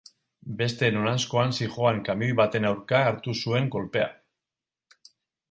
Beste noranzkoan zihoan kamioi baten aurka hartu zuen kolpea.